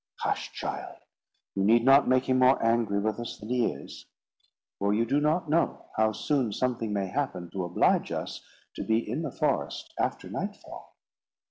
"Hush, child; you need not make him more angry with us than he is; for you do not know how soon something may happen to oblige us to be in the forest after nightfall."